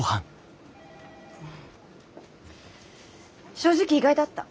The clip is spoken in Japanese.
正直意外だった。